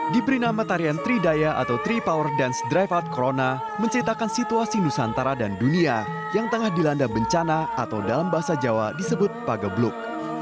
diberi nama tarian tridaya atau tiga power dance drivat corona menceritakan situasi nusantara dan dunia yang tengah dilanda bencana atau dalam bahasa jawa disebut pagebluk